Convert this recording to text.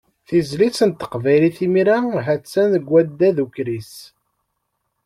Tizlit n teqbaylit imir-a, ha-tt-an deg waddad ukris.